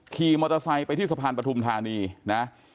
ขี่มอเตอร์ไซค์ไปที่สะพานปฐุมธานีนะ